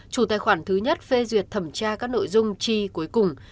chủ tài khoản thứ nhất phê duyệt thẩm tra các nội dung chi cuối cùng